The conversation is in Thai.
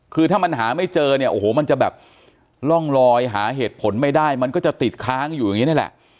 คือถ้ามันหาไม่เจอเนี่ยโอ้โหมันจะแบบร่องลอยหาเหตุผลไม่ได้มันก็จะติดค้างอยู่อย่างนี้นี่แหละ